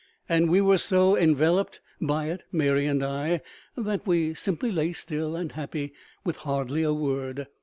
And we were so enveloped by it, Mary and I, that we simply lay still and happy, with hardly a word.